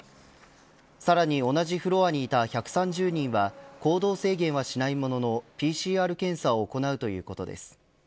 さらに同じフロアにいた１３０人は行動制限はしないもののＰＣＲ検査を行うということです。